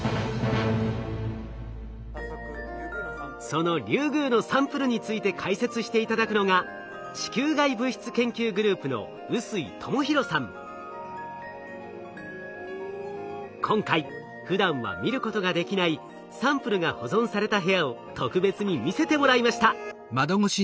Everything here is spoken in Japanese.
そのリュウグウのサンプルについて解説して頂くのが今回ふだんは見ることができないサンプルが保存された部屋を特別に見せてもらいました。